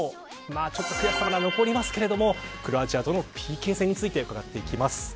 ちょっと悔しさが残りますがクロアチアとのＰＫ戦について伺っていきます。